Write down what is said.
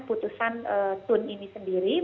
putusan tun ini sendiri